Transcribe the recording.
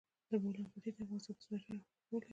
د بولان پټي د افغانستان په ستراتیژیک اهمیت کې رول لري.